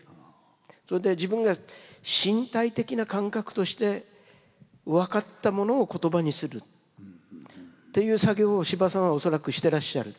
それで自分が身体的な感覚として分かったものを言葉にするっていう作業を司馬さんは恐らくしてらっしゃる。